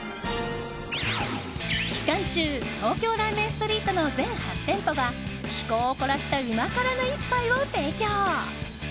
期間中東京ラーメンストリートの全８店舗が趣向を凝らした旨辛な一杯を提供。